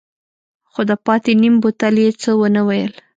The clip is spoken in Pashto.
خو د پاتې نيم بوتل يې څه ونه ويل.